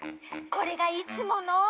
これがいつもの。